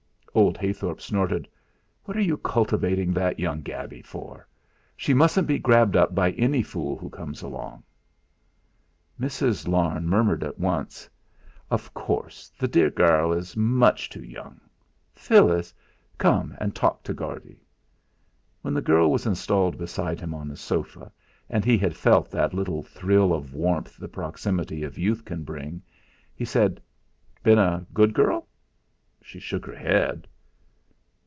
Old Heythorp snorted. "What are you cultivating that young gaby for? She mustn't be grabbed up by any fool who comes along." Mrs. Larne murmured at once: "Of course, the dear gairl is much too young. Phyllis, come and talk to Guardy!" When the girl was installed beside him on the sofa, and he had felt that little thrill of warmth the proximity of youth can bring, he said: "Been a good girl?" She shook her head.